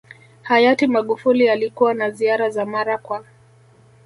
Hayati Magufuli alikuwa na ziara za mara kwa